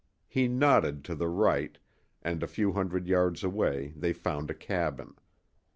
He nodded to the right, and a hundred yards away they found a cabin.